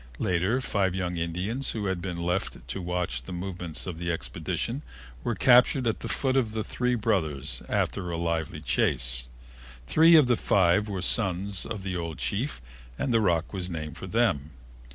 Later, five young Indians who had been left to watch the movements of the expedition were captured at the foot of the Three Brothers after a lively chase. Three of the five were sons of the old chief and the rock was named for them.